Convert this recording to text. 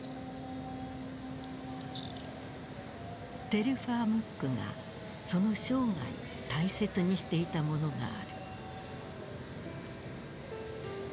テルファー・ムックがその生涯大切にしていたものがある。